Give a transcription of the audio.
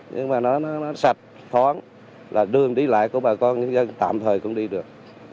nhưng mà nó sạch thoáng là đường đi lại của bà con nhân dân tạm thời cũng đi được